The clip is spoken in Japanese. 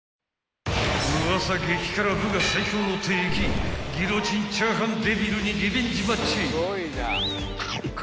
［ウワサ激辛部が最強の敵ギロチン炒飯デビルにリベンジマッチ］